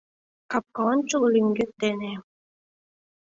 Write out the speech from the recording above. Капка ончыл лӱҥгет дене